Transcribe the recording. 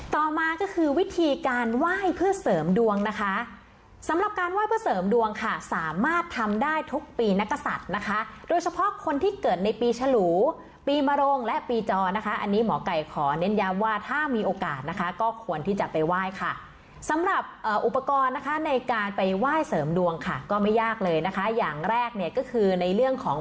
ต่อมาก็คือวิธีการไหว้เพื่อเสริมดวงนะคะสำหรับการไหว้เพื่อเสริมดวงค่ะสามารถทำได้ทุกปีนักศัตริย์นะคะโดยเฉพาะคนที่เกิดในปีฉลูปีมโรงและปีจอนะคะอันนี้หมอไก่ขอเน้นย้ำว่าถ้ามีโอกาสนะคะก็ควรที่จะไปไหว้ค่ะสำหรับอุปกรณ์นะคะในการไปไหว้เสริมดวงค่ะก็ไม่ยากเลยนะคะอย่างแรกเนี่ยก็คือในเรื่องของ